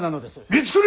光圀！